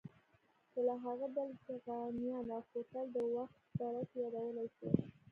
چې له هغې ډلې چغانيان او خوتل د وخش دره کې يادولی شو.